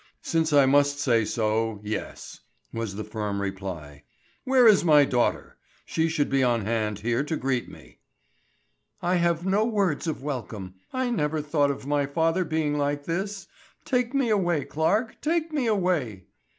"Since I must say so, yes!" was the firm reply. "Where is my daughter? She should be on hand here to greet me." "I have no words of welcome. I never thought of my father being like this. Take me away, Clarke, take me away!"